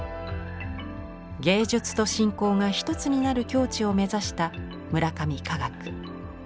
芸術と信仰が一つになる境地を目指した村上華岳。